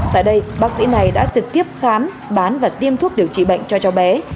tại đây bác sĩ này đã trực tiếp khám bán và tiêm thuốc điều trị bệnh cho cháu bé